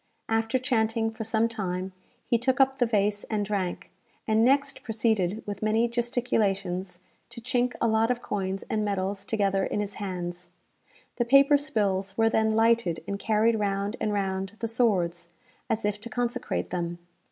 After chanting for some time, he took up the vase and drank; and next proceeded, with many gesticulations, to chink a lot of coins and medals together in his hands. The paper spills were then lighted and carried round and round the swords, as if to consecrate them.